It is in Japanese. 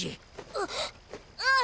あっあうあ？